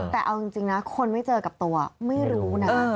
แต่เอาจริงนะคนไม่เจอกับตัวไม่รู้นะ